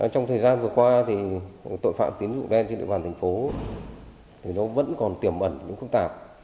trong thời gian vừa qua tội phạm tín dụng đen trên địa bàn thành phố vẫn còn tiềm ẩn những khúc tạp